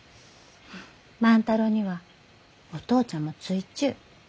万太郎にはお父ちゃんもついちゅう。